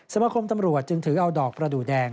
สมาคมตำรวจจึงถือเอาดอกประดูกแดง